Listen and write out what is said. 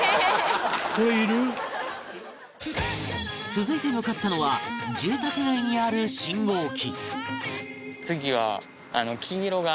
続いて向かったのは住宅街にある信号機